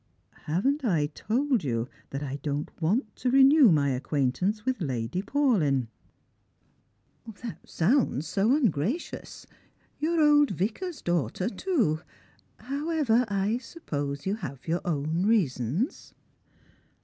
" Haven't I told you that I don't want to renew my acquain tance with Lady Paulyn ?"" That sounds so ungracious ; your old vicar's daughter too. However, I suppose you have your own reasons."